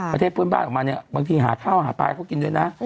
ประเทศเพื่อนบ้านออกมาเนี่ยบางทีหาข้าวหาปลาให้เขากินด้วยนะ